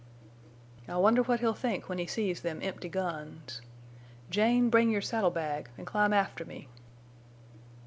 "I wonder what he'll think when he sees them empty guns. Jane, bring your saddle bag and climb after me."